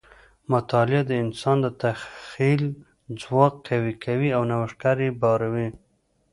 مطالعه د انسان د تخیل ځواک قوي کوي او نوښتګر یې باروي.